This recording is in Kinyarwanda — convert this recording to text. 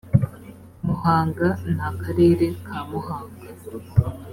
muhanga n akarere ka muhanga